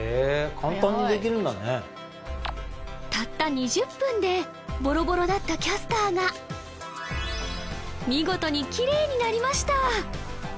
簡単にできるんだねたった２０分でボロボロだったキャスターが見事にきれいになりました